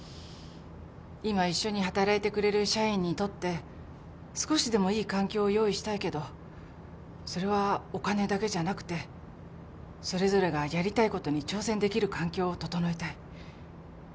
今一緒に働いてくれる社員にとって少しでもいい環境を用意したいけどそれはお金だけじゃなくてそれぞれがやりたいことに挑戦できる環境を整えたい